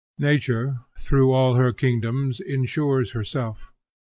Nature, through all her kingdoms, insures herself.